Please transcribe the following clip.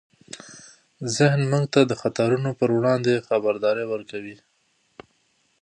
ذهن موږ د خطرونو پر وړاندې خبرداری ورکوي.